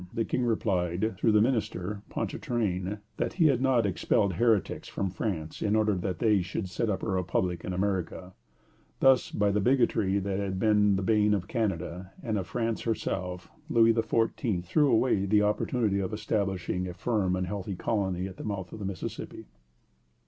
The King replied, through the minister, Ponchartrain, that he had not expelled heretics from France in order that they should set up a republic in America. Thus, by the bigotry that had been the bane of Canada and of France herself, Louis XIV. threw away the opportunity of establishing a firm and healthy colony at the mouth of the Mississippi.